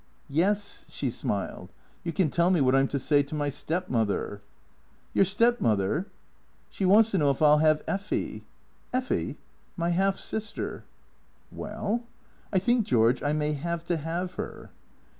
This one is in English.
" Yes." She smiled. " You can tell me what I 'm to say to my stepmother." "Your stepmother?" " She wants to know if I '11 have Effy." "Effy?" •" My half sister." " Well ?"" I think, George, I may have to have her."